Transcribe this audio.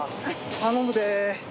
頼むで。